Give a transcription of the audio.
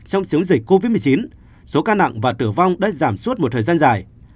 trong chiến dịch covid một mươi chín số ca nặng và tử vong đã giảm suốt một thời gian dài